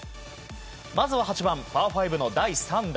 まずは８番、パー５の第３打。